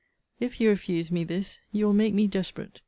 If you refuse me this, you will make me desperate.